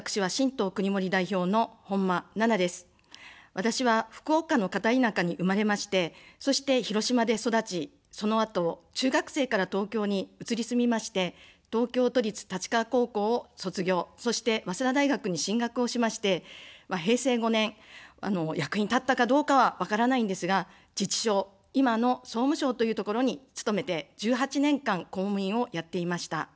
私は福岡の片田舎に生まれまして、そして広島で育ち、そのあと中学生から東京に移り住みまして、東京都立立川高校を卒業、そして早稲田大学に進学をしまして、平成５年、役に立ったかどうかは分からないんですが、自治省、今の総務省というところに勤めて、１８年間、公務員をやっていました。